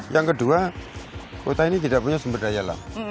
yang kedua kota ini tidak punya sumber daya lah